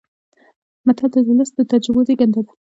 متل د ولس د تجربو زېږنده ده